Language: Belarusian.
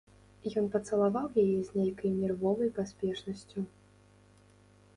Ён пацалаваў яе з нейкай нервовай паспешнасцю.